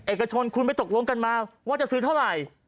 เอกชนคุณไปตกลงกันมาว่าจะซื้อเท่าไหร่